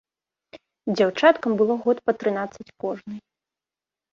Дзяўчаткам было год па трынаццаць кожнай.